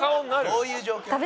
どういう状況？